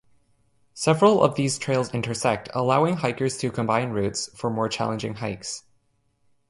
Several of these trails intersect, allowing hikers to combine routes for more challenging hikes.